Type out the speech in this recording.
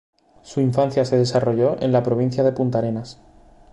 Su infancia se desarrolló en la provincia de Puntarenas.